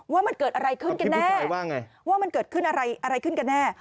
ว่ามันเกิดอะไรขึ้นกันแน่ว่ามันเกิดขึ้นอะไรอะไรขึ้นกันแน่